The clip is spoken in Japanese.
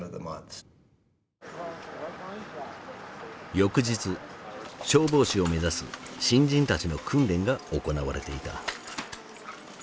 翌日消防士を目指す新人たちの訓練が行われていた。